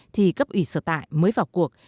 thì cấp ủy sở tại mới vào cuộc